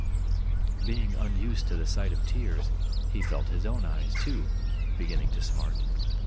Being unused to the sight of tears, he felt his own eyes, too, beginning to smart.